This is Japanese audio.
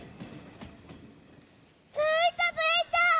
ついたついた！